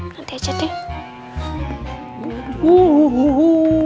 nanti aja deh